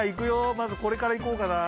まずこれからいこうかなあ？